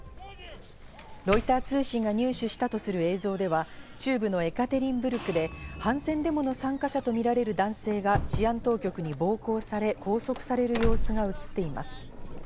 ロイター通信が入手したとする映像では中部のエカテリンブルクで反戦デモの参加者とみられる男性が治安当局に暴行され拘束される様子が映っています。